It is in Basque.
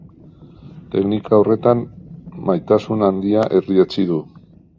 Teknika horretan maisutasun handia erdietsi du.